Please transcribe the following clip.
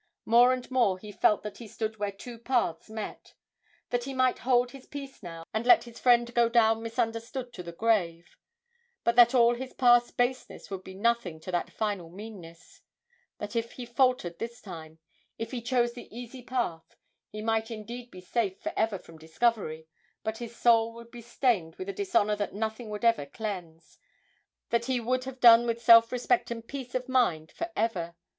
More and more he felt that he stood where two paths met: that he might hold his peace now, and let his friend go down misunderstood to the grave, but that all his past baseness would be nothing to that final meanness; that if he faltered this time, if he chose the easy path, he might indeed be safe for ever from discovery, but his soul would be stained with a dishonour that nothing would ever cleanse; that he would have done with self respect and peace of mind for ever.